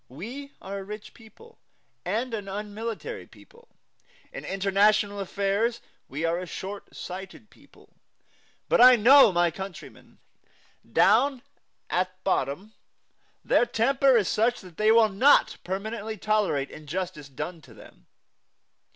We are a rich people, and an unmilitary people. In international affairs we are a short sighted people. But I know my countrymen. Down at bottom their temper is such that they will not permanently tolerate injustice done to them.